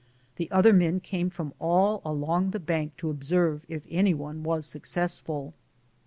The other men came from all along the bank to observe if any one was successful.